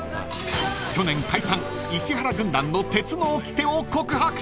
［去年解散石原軍団の鉄のおきてを告白！］